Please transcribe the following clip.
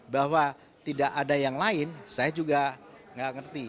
bahwa tidak ada yang lain saya juga tidak mengerti